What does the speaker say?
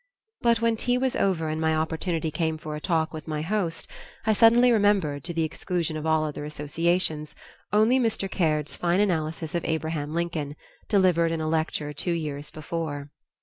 But when tea was over and my opportunity came for a talk with my host, I suddenly remembered, to the exclusion of all other associations, only Mr. Caird's fine analysis of Abraham Lincoln, delivered in a lecture two years before.